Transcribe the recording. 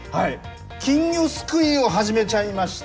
金魚すくいを始めちゃいました。